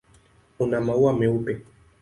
Una maua meupe.